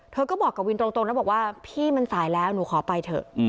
เธอก็บอกกับวินตรงนะบอกว่าพี่มันสายแล้วหนูขอไปเถอะ